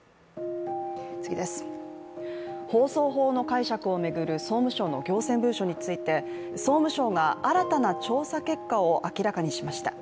放送法の解釈を巡る総務省の行政文書について総務省が新たな調査結果を明らかにしました。